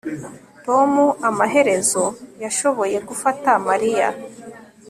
tom amaherezo yashoboye gufata mariya